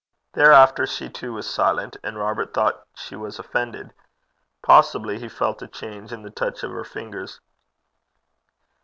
Thereafter she too was silent, and Robert thought she was offended. Possibly he felt a change in the touch of her fingers.